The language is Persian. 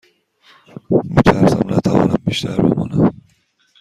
می ترسم نتوانم بیشتر بمانم.